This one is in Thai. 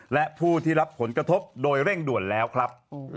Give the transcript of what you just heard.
และผู้ที่รับผลกระทบโดยเร่งด่วนแล้วครับ